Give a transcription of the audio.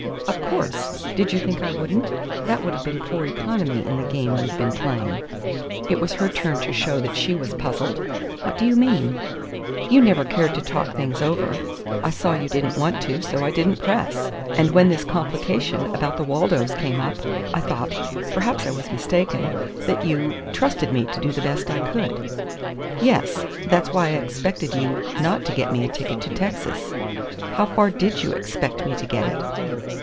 "Of course. Did you think I wouldn't? That would have been poor economy in the game we've been playing." It was her turn to show that she was puzzled. "What do you mean?" "You never cared to talk things over. I saw you didn't want to, so I didn't press. And when this complication about the Waldos came up, I thought perhaps I was mistaken that you trusted me to do the best I could." "Yes. That's why I expected you not to get me a ticket to Texas." "How far did you expect me to get it?"